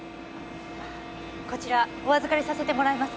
こちらお預かりさせてもらえますか？